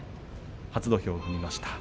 初土俵を踏みました。